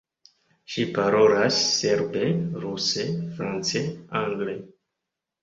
Ŝi parolas serbe, ruse, france, angle.